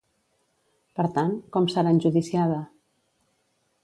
Per tant, com serà enjudiciada?